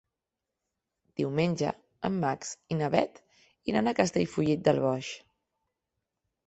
Diumenge en Max i na Bet iran a Castellfollit del Boix.